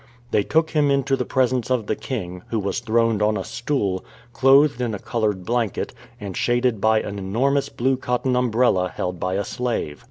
They took him into the presence of the king, who was throned on a stool, clothed in a coloured blanket, and shaded by an enormous blue cotton umbrella held by a slave.